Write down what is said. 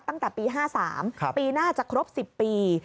ตั้งแต่ปี๕๓ปีหน้าจะครบ๑๐ปี